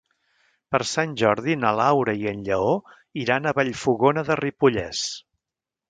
Per Sant Jordi na Laura i en Lleó iran a Vallfogona de Ripollès.